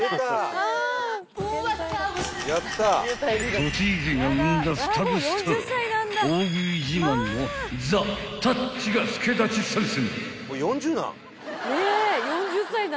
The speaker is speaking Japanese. ［栃木県が生んだ双子スター大食い自慢のザ・たっちが助太刀参戦］